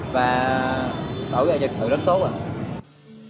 và đổi ra trực tượng rất tốt rồi